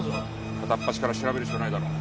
片っ端から調べるしかないだろう。